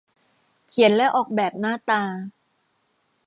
เขียนและออกแบบหน้าตา